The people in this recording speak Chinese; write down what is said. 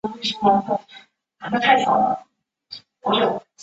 本病与西医的急性鼻炎相类似。